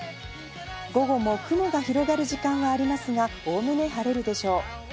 午後も雲が広がる時間はありますが、おおむね晴れるでしょう。